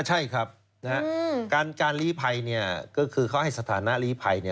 ใช่ครับนะฮะการการหลีภัยเนี้ยก็คือเขาให้สถานะหลีภัยเนี้ย